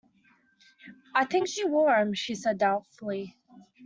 "I think she wore them," she said doubtfully.